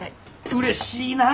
うれしいなぁ。